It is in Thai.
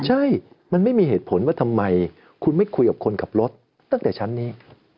ใช่มันไม่มีเหตุผลว่าทำไมคุณไม่คุยกับคนขับรถตั้งแต่ชั้นนี้